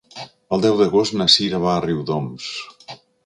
El deu d'agost na Sira va a Riudoms.